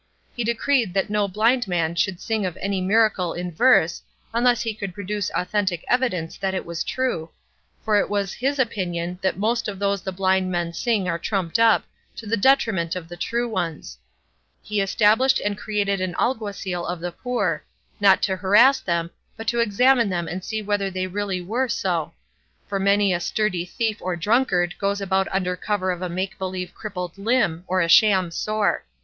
He decreed that no blind man should sing of any miracle in verse, unless he could produce authentic evidence that it was true, for it was his opinion that most of those the blind men sing are trumped up, to the detriment of the true ones. He established and created an alguacil of the poor, not to harass them, but to examine them and see whether they really were so; for many a sturdy thief or drunkard goes about under cover of a make believe crippled limb or a sham sore.